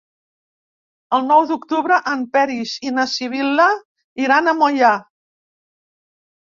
El nou d'octubre en Peris i na Sibil·la iran a Moià.